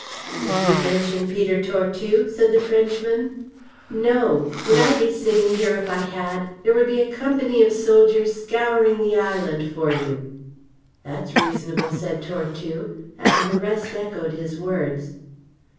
"Did you mention Peter Tortue?" said the Frenchman. "No. Would you be sitting here if I had? There would be a company of soldiers scouring the island for you." "That's reasonable," said Tortue, and the rest echoed his words.